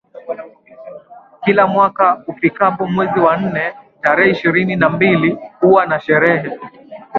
Kila mwaka ifikapo mwezi wa nne tarehe ishirini na mbili huwa na sherehe